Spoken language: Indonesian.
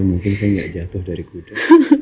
mungkin saya nggak jatuh dari kuda